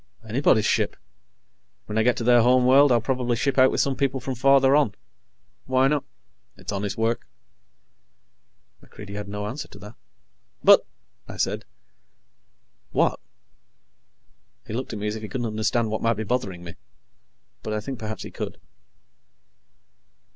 "Anybody's ship. When I get to their home world, I'll probably ship out with some people from farther on. Why not? It's honest work." MacReidie had no answer to that. "But " I said. "What?" He looked at me as if he couldn't understand what might be bothering me, but I think perhaps he could.